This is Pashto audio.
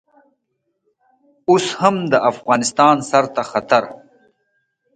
اوس هم د افغانستان سر ته خطر.